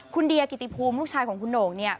คุณเดียกิติภูมิลูกชายของคุณโหน่ง